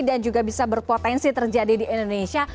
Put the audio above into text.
dan juga bisa berpotensi terjadi di indonesia